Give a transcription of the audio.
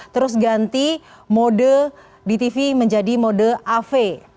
terus ganti mode di tv menjadi mode av